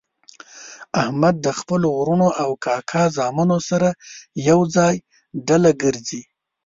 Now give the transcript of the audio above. احمد د خپلو ورڼو او کاکا زامنو سره ېوځای ډله ګرځي.